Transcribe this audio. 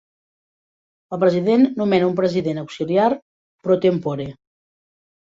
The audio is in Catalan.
El president nomena un president auxiliar pro tempore.